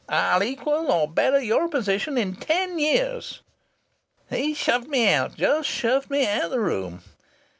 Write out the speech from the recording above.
I'll equal or better your position in ten years.' "He shoved me out just shoved me out of the room....